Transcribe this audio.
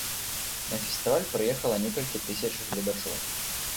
На фестываль прыехала некалькі тысяч гледачоў.